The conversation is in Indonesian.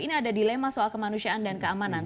ini ada dilema soal kemanusiaan dan keamanan